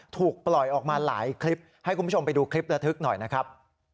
ถูกปล่อยออกมาหลายคลิปให้คุณผู้ชมไปดูคลิประทึกหน่อยนะครับ